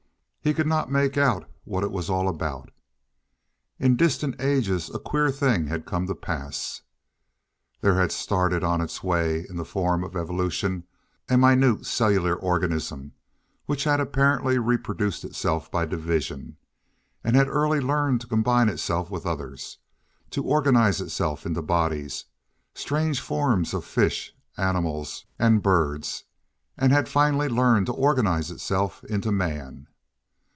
He could not make out what it was all about. In distant ages a queer thing had come to pass. There had started on its way in the form of evolution a minute cellular organism which had apparently reproduced itself by division, had early learned to combine itself with others, to organize itself into bodies, strange forms of fish, animals, and birds, and had finally learned to organize itself into man.